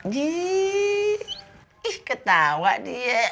jiih ih ketawa dia